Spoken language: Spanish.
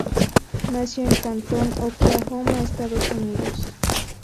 Nació en Canton, Oklahoma, Estados Unidos.